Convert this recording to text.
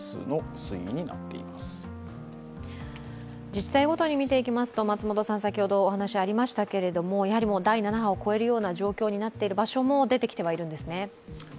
自治体ごとに見ていきますと、先ほどお話ありましたけれども、やはり第７波を超えるような状況になっている場所も出てきているんですね。